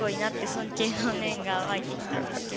尊敬の念が湧いてきたんですけど。